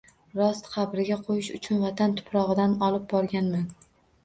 Rost, qabriga qo‘yish uchun vatan tuprog‘idan olib borganman.